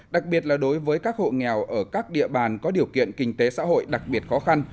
đặc biệt là đối với các hộ nghèo ở các địa bàn có điều kiện kinh tế xã hội đặc biệt khó khăn